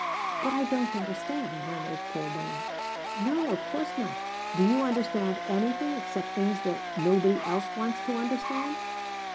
"But I don't understand," murmured poor Wayne. "No, of course not. Do you understand anything except things that nobody else wants to understand?